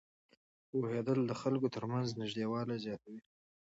پوهېدل د خلکو ترمنځ نږدېوالی زیاتوي.